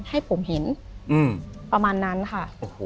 ให้ผมเห็นประมาณนั้นค่ะ